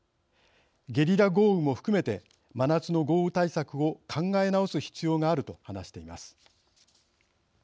ゲリラ豪雨も含めて真夏の豪雨対策を考え直す必要がある」と話しています。